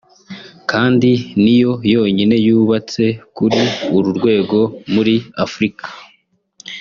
kandi ni yo yonyine yubatse kuri uru rwego muri Afurika